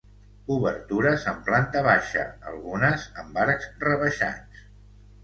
Obertures en planta baixa algunes amb arcs rebaixats.